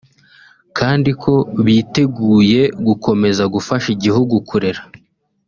kandi ko biteguye gukomeza gufasha igihugu kurera